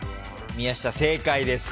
宮下正解です